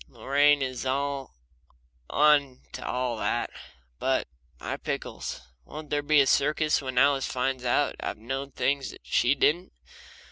Lorraine is on to all that. But, my pickles! won't there be a circus when Alice finds out that I've known things she didn't!